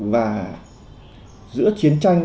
và giữa chiến tranh